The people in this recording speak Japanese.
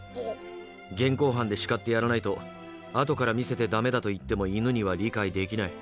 現行犯で叱ってやらないとあとから見せてダメだと言っても犬には理解できない。